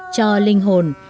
cho linh hồn